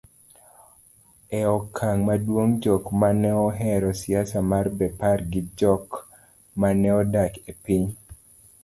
e okang' maduong' jok maneohero siasa mar Bepar gi jok maneodak e piny